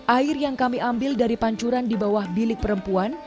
air yang kami ambil dari pancuran di bawah bilik perempuan